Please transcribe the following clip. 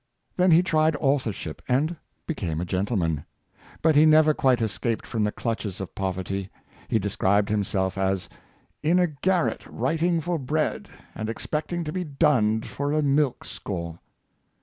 Then he tried authorship, and became a gentleman. But he never quite escaped from the clutches of pov erty. He described himself as '' in a garret writing for bread, and expecting to be dunned for a milk score."